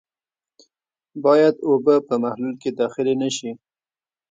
باید اوبه په محلول کې داخلې نه شي.